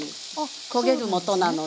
焦げるもとなので。